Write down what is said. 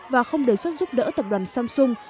và không đề xuất giúp đỡ tập đoàn samsung